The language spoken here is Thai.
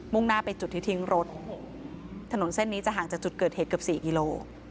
่งหน้าไปจุดที่ทิ้งรถถนนเส้นนี้จะห่างจากจุดเกิดเหตุเกือบสี่กิโล